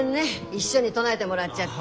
一緒に唱えでもらっちゃって。